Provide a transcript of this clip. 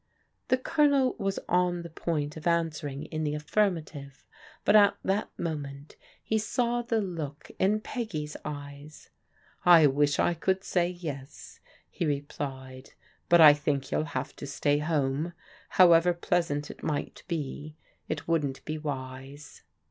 The Colonel was on the point of answering in the af firmative, but at that moment he saw the look in Peggy's eyes. " I wish I could say ' yes,* he replied, " but I think you'll have to stay home. However pleasant it might be, it wouldn't be wise."